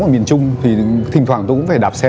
ở miền trung thì thỉnh thoảng tôi cũng phải đạp xe